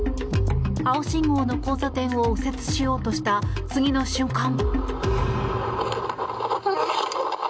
青信号の交差点を右折しようとした次の瞬間。